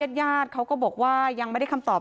ญาติญาติเขาก็บอกว่ายังไม่ได้คำตอบ